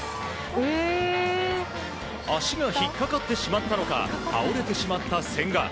足が引っかかってしまったのか倒れてしまった千賀。